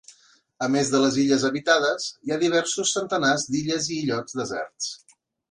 A més de les illes habitades, hi ha diversos centenars d'illes i illots deserts.